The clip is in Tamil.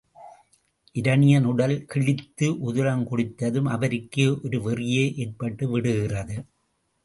இரணியன் உடல் கிழித்து உதிரம் குடித்ததும் அவருக்கு ஒரு வெறியே ஏற்பட்டு விடுகிறது.